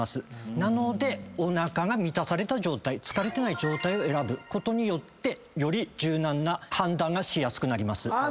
なのでおなかが満たされた状態疲れてない状態を選ぶことによってより柔軟な判断がしやすくなります。